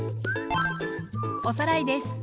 おさらいです。